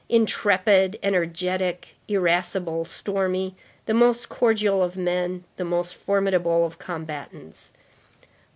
Intrepid, energetic, irascible, stormy; the most cordial of men, the most formidable of combatants.